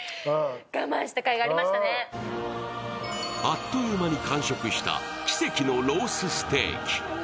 あっという間に完食した奇跡のロースステーキ。